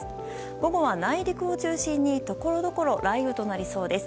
午後は内陸を中心にところどころ雷雨となりそうです。